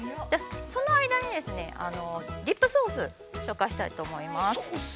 その間に、ディップソース紹介したいと思います。